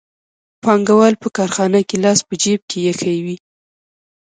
پانګوال په کارخانه کې لاس په جېب کې ایښی وي